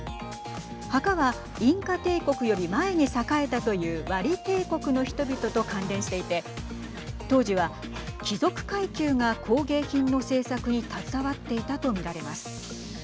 墓はインカ帝国より前に栄えたというワリ帝国の人々と関連していて当時は貴族階級が工芸品の制作に携わっていたと見られます。